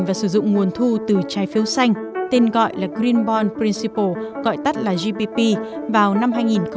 và sử dụng nguồn thu từ trái phiếu xanh tên gọi là green bond principle gọi tắt là gpp vào năm hai nghìn một mươi năm